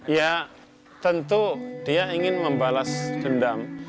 ya tentu dia ingin membalas dendam